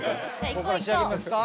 こっから仕上げますか。